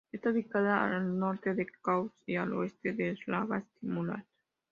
Está ubicada a al norte de Cahors y a al oeste de Labastide-Murat.